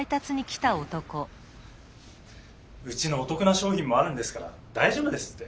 うちのおとくな商品もあるんですからだいじょうぶですって。